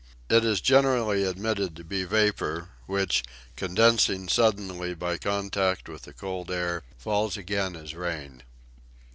It is generally admitted to be vapor, which, condensing suddenly by contact with the cold air, falls again as rain.